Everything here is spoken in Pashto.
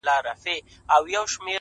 هوښیار انسان له هرې تجربې ګټه اخلي’